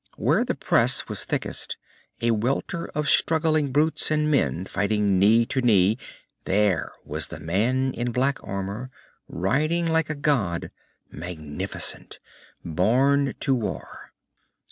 Where the press was thickest, a welter of struggling brutes and men fighting knee to knee, there was the man in black armor, riding like a god, magnificent, born to war.